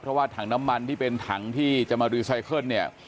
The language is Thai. เพราะว่าถังน้ำมันที่เป็นถังที่จะมารีไซเคิลเนี่ย